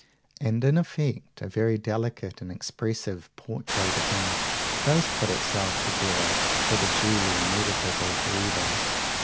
And, in effect, a very delicate and expressive portrait of him does put itself together for the duly meditative reader.